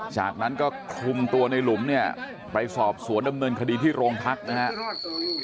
จากนั้นก็คุมตัวในหลุมเนี่ยไปสอบสวนดำเนินคดีที่โรงพักนะครับ